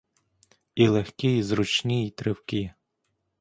І легкі, й зручні, й тривкі.